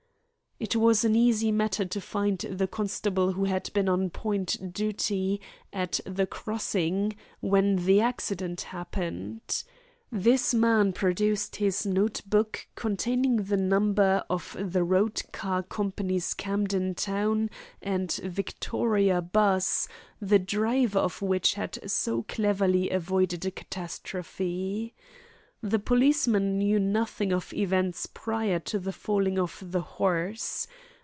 It was an easy matter to find the constable who had been on point duty at the crossing when the "accident" happened. This man produced his note book containing the number of the Road Car Company's Camden Town and Victoria 'bus, the driver of which had so cleverly avoided a catastrophe. The policeman knew nothing of events prior to the falling of the horse.